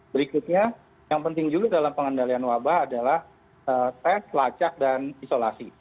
berikutnya yang penting juga dalam pengendalian wabah adalah tes lacak dan isolasi